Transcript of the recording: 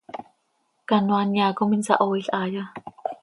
¿Canoaa nyaa com insahooil haaya?